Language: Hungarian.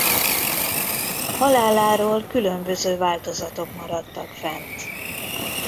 Haláláról különböző változatok maradtak fent.